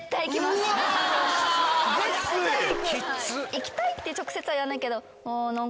行きたいって直接は言わないけど。